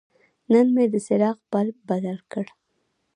نن مې د څراغ بلب بدل کړ.